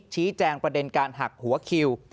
ชี้แจงประเด็นการหักหัวคิว